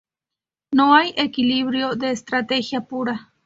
No hay equilibrio de estrategia pura.